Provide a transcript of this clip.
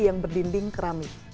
yang berdinding keramik